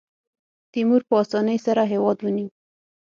تیمور په اسانۍ سره هېواد ونیو.